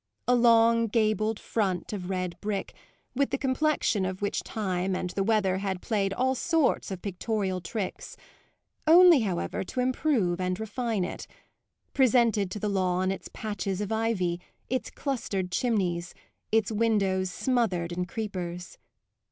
A long gabled front of red brick, with the complexion of which time and the weather had played all sorts of pictorial tricks, only, however, to improve and refine it, presented to the lawn its patches of ivy, its clustered chimneys, its windows smothered in creepers.